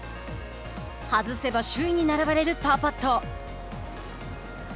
外せば首位に並ばれるパーパット。